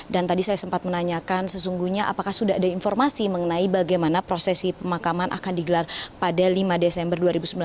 dan tadi saya sempat menanyakan sesungguhnya apakah sudah ada informasi mengenai bagaimana prosesi pemakaman akan digelar pada lima desember dua ribu sembilan belas